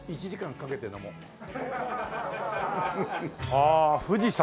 ああ富士山。